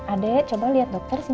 adek coba liat dokter sini